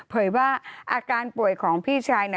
เผยว่าอาการป่วยของพี่ชาย